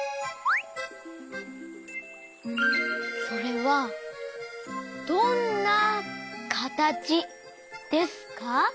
それはどんなかたちですか？